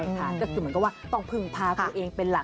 อย่างแรกเลยก็คือการทำบุญเกี่ยวกับเรื่องของพวกการเงินโชคลาภ